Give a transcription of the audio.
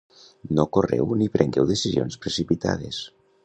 No correu ni prengueu decisions precipitades.